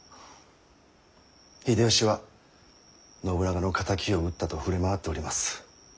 秀吉は信長の敵を討ったと触れ回っております。